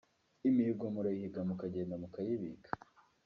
imihigo murayihiga mukagenda mukayibika